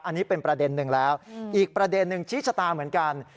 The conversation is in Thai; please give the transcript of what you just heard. อันนี้เป็นประเด็นหนึ่งแล้วอีกประเด็นหนึ่งชี้ชะตาเหมือนกัน